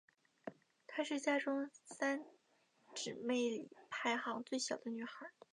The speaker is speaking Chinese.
她是家中三姊妹里排行最小的女孩。